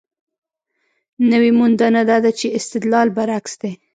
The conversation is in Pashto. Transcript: نوې موندنه دا ده چې استدلال برعکس دی.